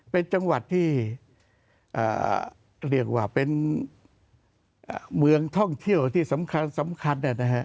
เป็นจังหวัดที่เรียกว่าเป็นเมืองท่องเที่ยวที่สำคัญ